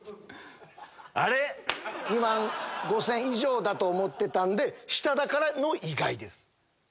あれ⁉２万５０００円以上だと思ってたんで下だから「意外」です。